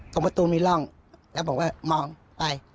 ตรงประตูมีร่องแล้วผมก็มองไป